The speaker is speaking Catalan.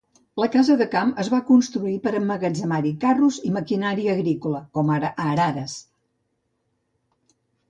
La casa de camp es va construir per emmagatzemar-hi carros i maquinària agrícola, com ara arades.